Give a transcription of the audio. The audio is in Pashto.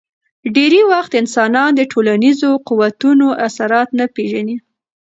ډېری وخت انسانان د ټولنیزو قوتونو اثرات نه پېژني.